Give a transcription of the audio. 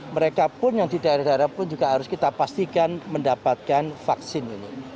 mereka pun yang di daerah daerah pun juga harus kita pastikan mendapatkan vaksin ini